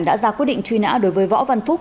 đã ra quyết định truy nã đối với võ văn phúc